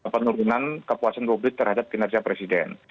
penurunan kepuasan publik terhadap kinerja presiden